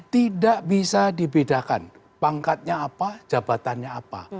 tidak bisa dibedakan pangkatnya apa jabatannya apa